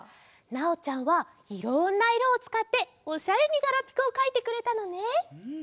なおちゃんはいろんないろをつかっておしゃれにガラピコをかいてくれたのね。